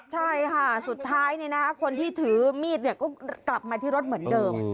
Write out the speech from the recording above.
ใช่ค่ะสุดท้ายคนที่ถือมีดก็กลับมาที่รถเหมือนเดิม